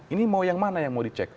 ini mau yang mana yang mau dicek